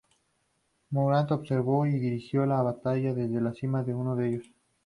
Murad observó y dirigió la batalla desde la cima de uno de ellos.